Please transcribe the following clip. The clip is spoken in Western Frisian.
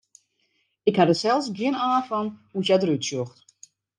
Ik ha der sels gjin aan fan hoe't hja derút sjocht.